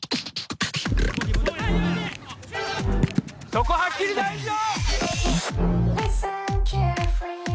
そこはっきり大事だ！